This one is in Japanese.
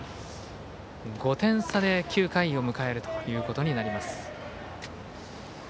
５点差で９回を迎えるということになります。